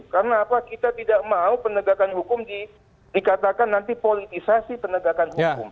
karena apa kita tidak mau penegakan hukum dikatakan nanti politisasi penegakan hukum